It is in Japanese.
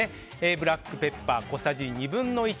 ブラックペッパー小さじ２分の１。